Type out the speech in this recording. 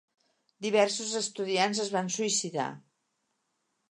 Diversos estudiants es van suïcidar.